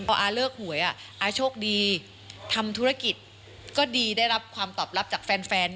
พออาเลิกหวยอาโชคดีทำธุรกิจก็ดีได้รับความตอบรับจากแฟน